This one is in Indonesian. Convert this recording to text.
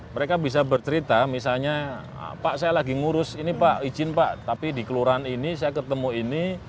mereka bisa bercerita misalnya pak saya lagi ngurus ini pak izin pak tapi di kelurahan ini saya ketemu ini